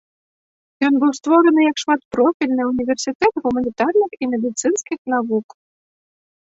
Ён быў створаны як шматпрофільны універсітэт гуманітарных і медыцынскіх навук.